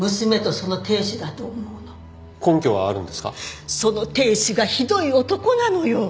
その亭主がひどい男なのよ。